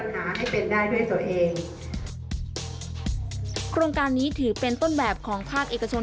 โครงการนี้ถือเป็นต้นแบบของภาคเอกชน